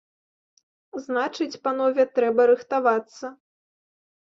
Значыць, панове, трэба рыхтавацца.